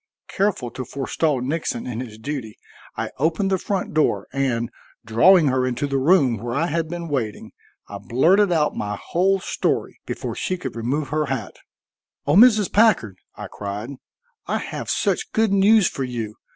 Careful to forestall Nixon in his duty, I opened the front door, and, drawing her into the room where I had been waiting, I blurted out my whole story before she could remove her hat. "O Mrs. Packard," I cried, "I have such good news for you.